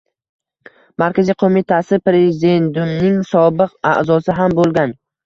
Markaziy qo‘mitasi Prezidiumining sobiq a’zosi ham bo‘lgan.